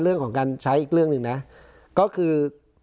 เรื่องของการใช้อีกเรื่องหนึ่งนะก็คือ